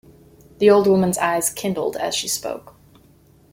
The old woman's eyes kindled as she spoke.